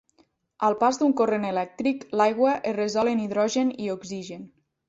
Al pas d'un corrent elèctric, l'aigua es resol en hidrogen i oxigen.